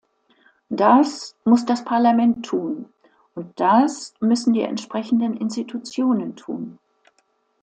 Das muss das Parlament tun, und das müssen die entsprechenden Institutionen tun.